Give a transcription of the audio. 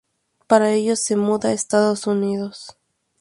Para ello se muda a Estados Unidos.